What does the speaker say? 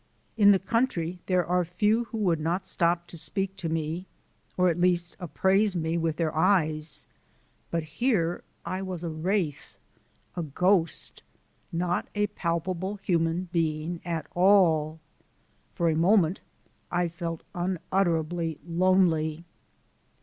In the country there are few who would not stop to speak to me, or at least appraise me with their eyes; but here I was a wraith, a ghost not a palpable human being at all. For a moment I felt unutterably lonely.